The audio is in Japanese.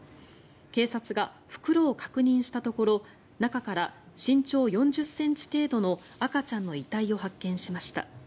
警察が袋を確認したところ中から身長４０ｃｍ程度の赤ちゃんの遺体を発見しました。